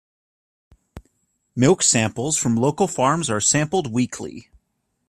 Milk samples from local farms are sampled weekly.